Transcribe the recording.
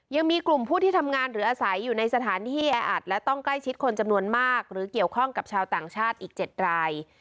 ยังมีกลุ่มผู้ที่ทำงานหรืออาศัยอยู่ในสถานที่แออัดและต้องใกล้ชิดคนจำนวนมากหรือเกี่ยวข้องกับชาวต่างชาติอีก๗ราย